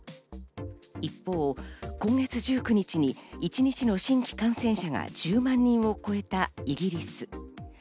一方、今月１９日に一日の新規感染者が１０万人を超えたイギリス。